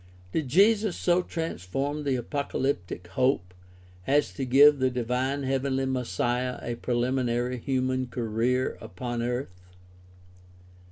Did Jesus so transform the apocalyptic hope as to give the divine heavenly Messiah a preliminary human career upon earth